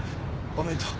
おめでとう。